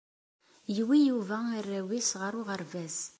Yewwi Yuba arraw-is ɣer uɣerbaz.